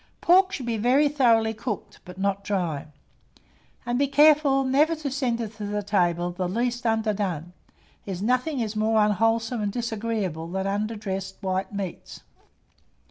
Pork should be very thoroughly cooked, but not dry; and be careful never to send it to table the least underdone, as nothing is more unwholesome and disagreeable than underdressed white meats.